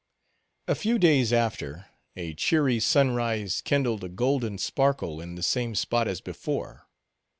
A few days after, a cheery sunrise kindled a golden sparkle in the same spot as before.